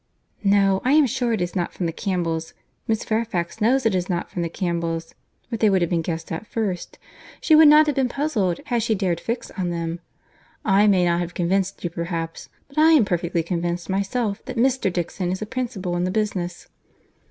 "No, I am sure it is not from the Campbells. Miss Fairfax knows it is not from the Campbells, or they would have been guessed at first. She would not have been puzzled, had she dared fix on them. I may not have convinced you perhaps, but I am perfectly convinced myself that Mr. Dixon is a principal in the business."